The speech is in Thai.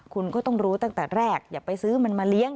คุณก็ต้องรู้ตั้งแต่แรกอย่าไปซื้อมันมาเลี้ยง